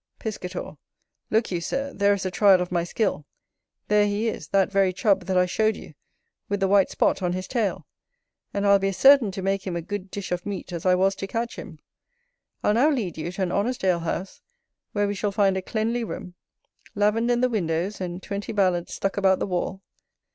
Piscator. Look you, Sir, there is a trial of my skill; there he is: that very Chub, that I showed you, with the white spot on his tail. And I'll be as certain to make him a good dish of meat as I was to catch him: I'll now lead you to an honest ale house, where we shall find a cleanly room, lavender in the windows, and twenty ballads stuck about the wall.